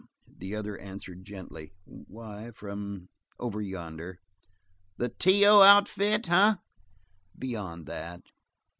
The other answered gently: "Why, from over yonder." "The T O outfit, eh?" "Beyond that."